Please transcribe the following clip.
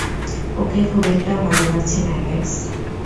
ওকে খুব একটা ভালো লাগছে না, অ্যালেক্স।